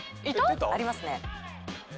いた？ありますね。